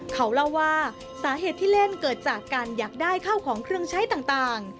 เขาเล่าว่าสาเหตุที่เล่นเกิดจากการอยากได้ข้าวของเครื่องใช้ต่าง